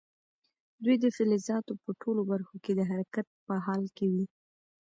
دوی د فلزاتو په ټولو برخو کې د حرکت په حال کې وي.